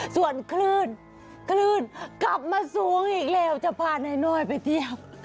ส่วนคลื่นคลื่นกลับมาสูงอีกแล้วจะพานายน้อยไปเที่ยว